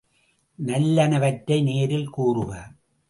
நல்லனவற்றை நேரில் கூறுக.